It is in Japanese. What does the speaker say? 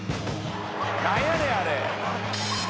何やねんあれ。